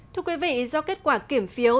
thưa quý vị do kết quả kiểm phiếu